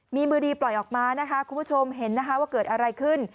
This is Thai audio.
มีมือดีปล่อยออกมานะคะคุณผู้ชมเห็นนะคะว่าเกิดอะไรขึ้น